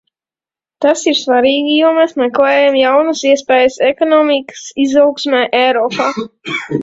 Tas ir svarīgi, jo mēs meklējam jaunas iespējas ekonomikas izaugsmei Eiropā.